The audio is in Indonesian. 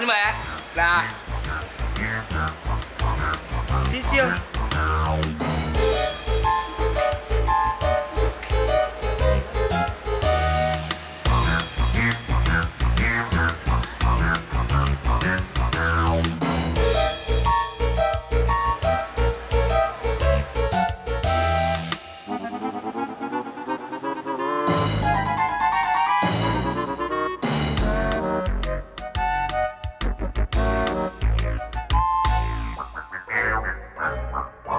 makasih mbak ya